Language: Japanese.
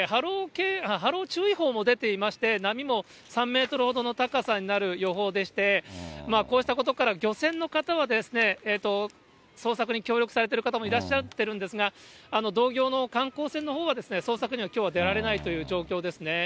波浪注意報も出ていまして、波も３メートルほどの高さになる予報でして、こうしたことから、漁船の方はですね、捜索に協力されてる方もいらっしゃってるんですが、同業の観光船のほうは、捜索には、きょうは出られないという状況ですね。